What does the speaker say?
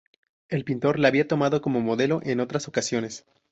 El pintor la había tomado como modelo en otras ocasiones.